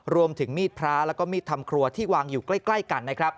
รวมถึงมีดพระและมีดธรรมครัวที่วางอยู่ใกล้กัน